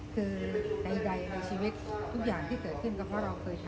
คือใดในชีวิตทุกอย่างที่เกิดขึ้นก็เพราะเราเคยเห็น